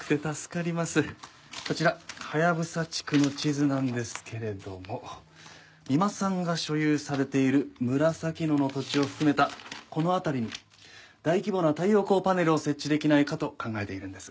こちらハヤブサ地区の地図なんですけれども三馬さんが所有されている紫野の土地を含めたこの辺りに大規模な太陽光パネルを設置できないかと考えているんです。